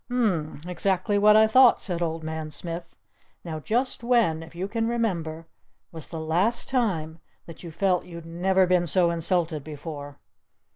"U m m m exactly what I thought," said Old Man Smith. "Now just when if you can remember, was the last time that you felt you'd never been so insulted before?"